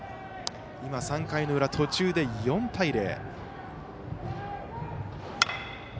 今３回の裏、途中で４対０。